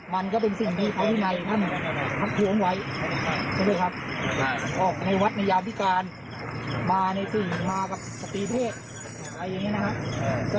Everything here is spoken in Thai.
มันก็เป็นสิ่งที่เขาที่ในท่านทับเถียงไว้ออกในวัดในยาวพิการมาในสิ่งมากับสตรีเทศอะไรอย่างนี้นะครับ